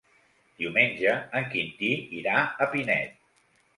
Diumenge en Quintí irà a Pinet.